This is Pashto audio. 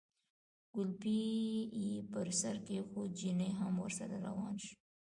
کولپۍ یې پر سر کېښوده، چيني هم ورسره روان شو.